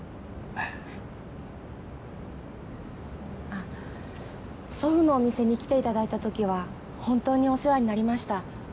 あ祖父のお店に来ていただいた時は本当にお世話になりました。